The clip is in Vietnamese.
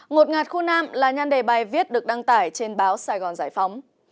ngột ngạt khu nam là nhan đề bài viết được đăng tải trên báo sài gòn giải phóng